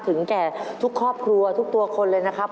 ถึงแก่ทุกครอบครัวทุกตัวคนเลยนะครับ